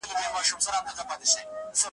یو وخت ژمی وو او واوري اورېدلې ,